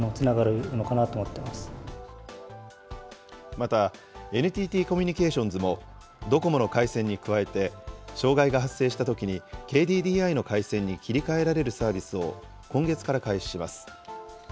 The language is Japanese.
また、ＮＴＴコミュニケーションズも、ドコモの回線に加えて、障害が発生したときにＫＤＤＩの回線に切り替えられるサービスを、今月から開始します。